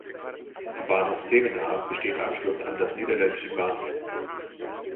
Am Bahnhof Zevenaar besteht Anschluss an das niederländische Bahnnetz.